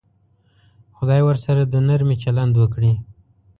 خدای ورسره د نرمي چلند وکړي.